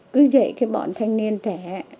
cứ dạy cái bọn thanh niên trẻ